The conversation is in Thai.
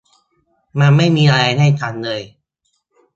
มันไม่มีอะไรให้ฉันเลย